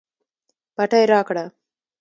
پټۍ راکړه